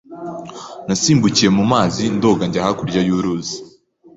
Nasimbukiye mu mazi ndoga njya hakurya y'uruzi.